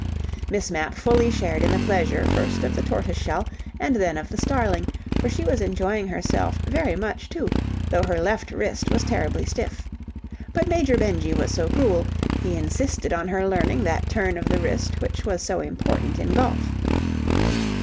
Miss Mapp fully shared in the pleasure first of the tortoise shell and then of the starling, for she was enjoying herself very much too, though her left wrist was terribly stiff. But Major Benjy was so cruel: he insisted on her learning that turn of the wrist which was so important in golf.